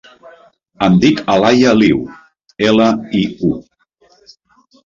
Em dic Alaia Liu: ela, i, u.